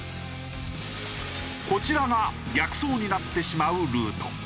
こちらが逆走になってしまうルート。